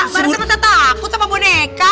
barusan udah takut sama boneka